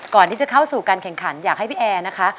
ก่อนที่จะเข้าสู่การแข่งขันอยากให้พี่แอร์นะคะ